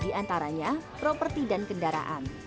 diantaranya properti dan kendaraan